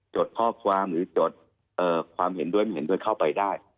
ดข้อความหรือจดความเห็นด้วยไม่เห็นด้วยเข้าไปได้